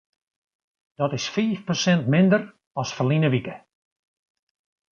Dat is fiif persint minder as ferline wike.